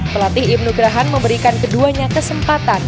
pelatih ibnu grahan memberikan keduanya kesempatan